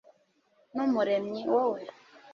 n'umuremyi, wowe